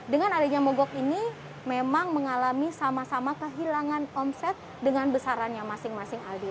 dengan adanya mogok ini memang mengalami sama sama kehilangan omset dengan besarannya masing masing aldi